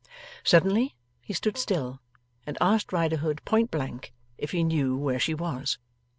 Suddenly he stood still, and asked Riderhood point blank if he knew where she was?